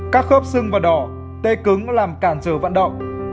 các khớp sưng và đỏ tê cứng làm cản trở vận động